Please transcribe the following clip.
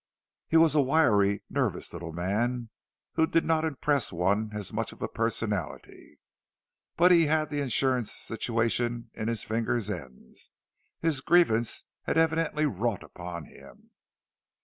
He was a wiry, nervous little man, who did not impress one as much of a personality; but he had the insurance situation at his fingers' ends—his grievance had evidently wrought upon him.